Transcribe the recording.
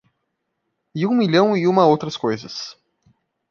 E um milhão e uma outras coisas.